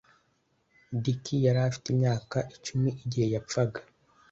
Dick yari afite imyaka icumi igihe yapfaga